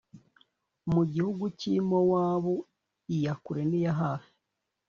mu gihugu cy’i mowabu iya kure n’iya hafi